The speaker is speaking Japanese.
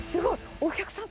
お客さん